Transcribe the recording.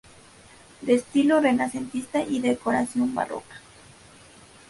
De estilo renacentista y decoración barroca.